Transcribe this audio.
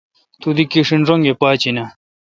تو دی کیݭن رنگہ پاج این اؘ۔